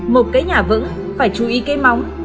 một cái nhà vững phải chú ý cây móng